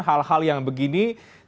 hal hal yang begini tidak lagi muncul begitu